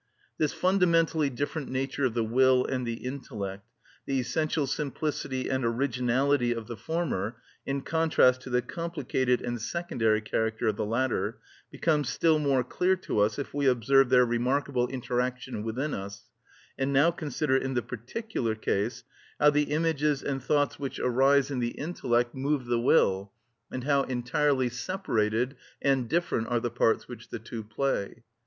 This fundamentally different nature of the will and the intellect, the essential simplicity and originality of the former, in contrast to the complicated and secondary character of the latter, becomes still more clear to us if we observe their remarkable interaction within us, and now consider in the particular case, how the images and thoughts which arise in the intellect move the will, and how entirely separated and different are the parts which the two play.